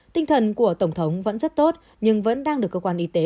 tinh thần của tổng thống vẫn rất tốt nhưng vẫn đang được cơ quan y tế